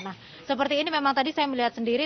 nah seperti ini memang tadi saya melihat sendiri